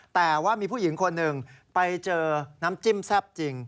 แต่ว่ามีผู้หญิงคนหนึ่งไปเจอน้ำจิ้มแซ่บจริง